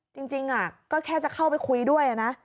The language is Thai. จริงก็แค่จะเข้าไปคุยด้วยนะ